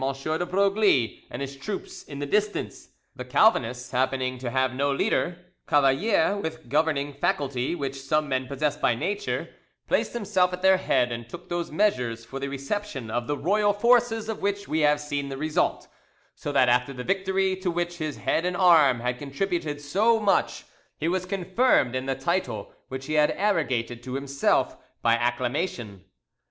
de Broglie and his troops in the distance. The Calvinists happening to have no leader, Cavalier with governing faculty which some men possess by nature, placed himself at their head and took those measures for the reception of the royal forces of which we have seen the result, so that after the victory to which his head and arm had contributed so much he was confirmed in the title which he had arrogated to himself, by acclamation.